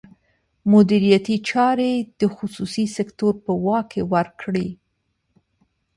مدیریتي چارې د خصوصي سکتور په واک کې ورکړي.